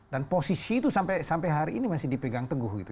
dan posisi itu sampai hari ini masih dipegang teguh gitu